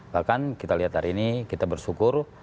bahkan kita lihat hari ini kita bersyukur